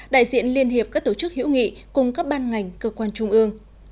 đại diện liên hiệp các tổ chức hữu nghị cùng các ban ngành cơ quan trung ương